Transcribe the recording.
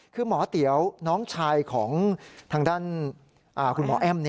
คือหมอเตี๋ยวน้องชายของทางด้านคุณหมอแอ้ม